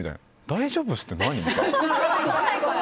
大丈夫ですって何？